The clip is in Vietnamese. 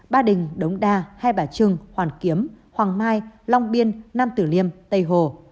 ba đình đống đa hai bà trưng hoàn kiếm hoàng mai long biên nam tử liêm tây hồ